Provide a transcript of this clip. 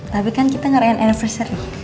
tapi kan kita ngerayain anniversary